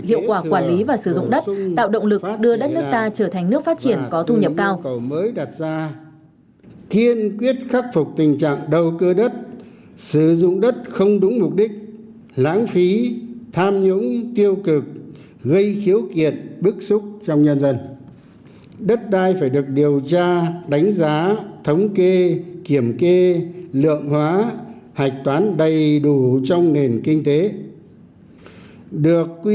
hiệu quả quản lý và sử dụng đất tạo động lực đưa đất nước ta trở thành nước phát triển có thu nhập cao